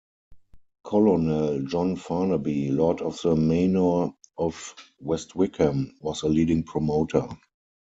Colonel John Farnaby, Lord of the Manor of West Wickham, was a leading promoter.